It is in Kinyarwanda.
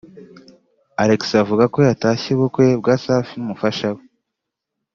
Alexis avuga ko yatashye ubukwe bwa Safi n’umufasha we